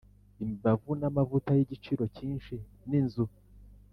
imibavu namavuta yigiciro cyinshi ninzu